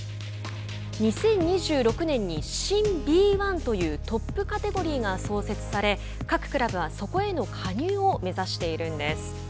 ２０２６年に新Ｂ１というトップカテゴリーが創設され各クラブは、そこへの加入を目指しているんです。